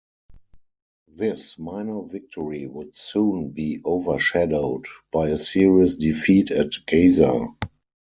This minor victory would soon be overshadowed by a serious defeat at Gaza.